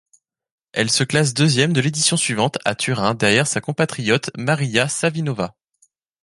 Elle se classe deuxième de l'édition suivante, à Turin, derrière sa compatriote Mariya Savinova.